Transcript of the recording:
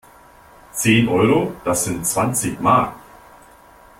Zehn Euro? Das sind zwanzig Mark!